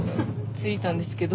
着いたんですけど。